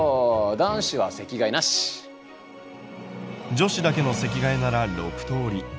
女子だけの席替えなら６通り。